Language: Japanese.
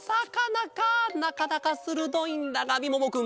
なかなかするどいんだがみももくん